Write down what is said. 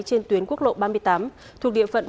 trên tuyến quốc lộ ba mươi tám thuộc địa phận